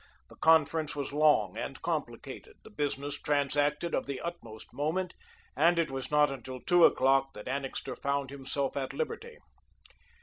The conference was long and complicated, the business transacted of the utmost moment, and it was not until two o'clock that Annixter found himself at liberty.